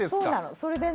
それでね